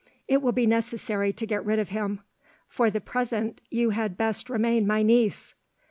It will be necessary to get rid of him. For the present you had best remain my niece."